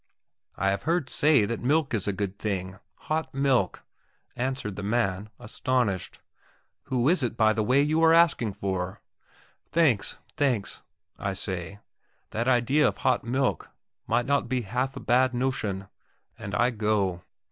"I have heard say that milk is a good thing hot milk," answered the man, astonished. "Who is it, by the way, you are asking for?" "Thanks, thanks," I say; "that idea of hot milk might not be half a bad notion;" and I go.